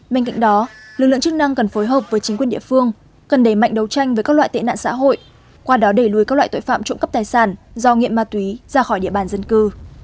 bên cạnh đó lực lượng chức năng cần phối hợp với chính quyền địa phương cần đẩy mạnh đấu tranh với các loại tệ nạn xã hội qua đó đẩy lùi các loại tội phạm trộm cắp tài sản do nghiện ma túy ra khỏi địa bàn dân cư